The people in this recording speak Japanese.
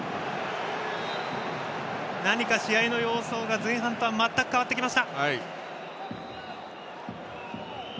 何か試合の様相が前半とは全く変わってきました。